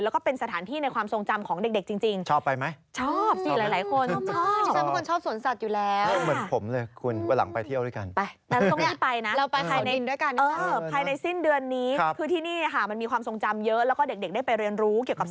แล้วก็เป็นสถานที่ในความทรงจำของเด็กจริงชอบไปไหม